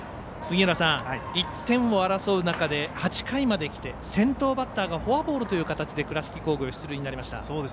杉浦さん、１点を争う中で８回まできて先頭バッターがフォアボールで倉敷工業は出塁になりました。